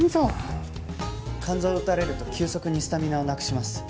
肝臓を打たれると急速にスタミナをなくします。